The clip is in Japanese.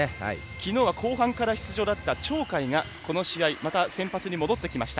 きのうは後半から出場だった鳥海がこの試合先発に戻ってきました。